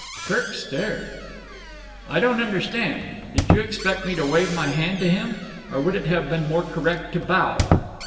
Kirk stared. "I don't understand. Did you expect me to wave my hand to him? Or would it have been more correct to bow?"